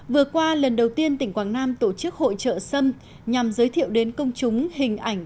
vừa qua lần đầu tiên tỉnh quảng nam tổ chức hội trợ xâm nhằm giới thiệu đến công chúng hình ảnh